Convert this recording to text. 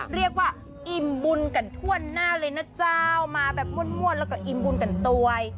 เรียกว่าอิ่มบุญกันทั่วหน้าเลยนะเจ้ามาแบบม่วนแล้วก็อิ่มบุญกันตวย